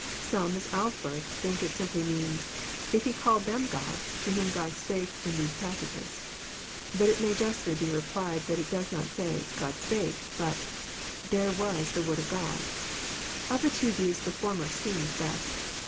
"— Some, as Alford, think it simply means, " if He called them gods, to whom God spake In these passages." But it may justly be replied that it does not say " God spake ;" but, " There was the word of God." Of the two views the former seems best.